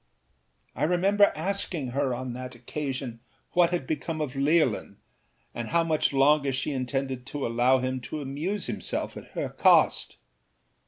I remember asking her on that occasion what had become of Leolin, and how much longer she intended to allow him to amuse himself at her cost.